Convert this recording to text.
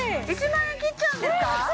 １万円切っちゃうんですか？